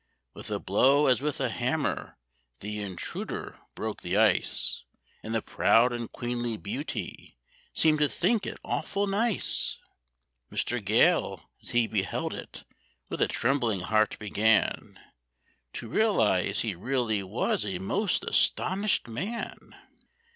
With a blow as with a hammer the intruder broke the ice, And the proud and queenly beauty seemed to think it awful nice. Mr. Gale, as he beheld it, with a trembling heart began To realise he really was a most astonished man.